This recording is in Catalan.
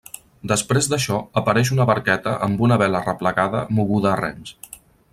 Després d'això, apareix una barqueta amb una vela replegada moguda a rems.